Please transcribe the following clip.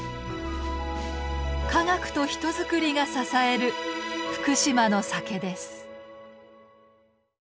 科学と人づくりが支える福島の酒です。